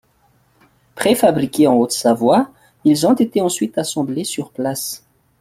Préfabriqués en Haute-Savoie, ils ont été ensuite assemblés sur place.